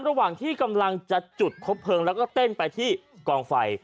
ระหว่างที่กำลังจะจุดคบเพลิงแล้วก็เต้นไปที่กองไฟ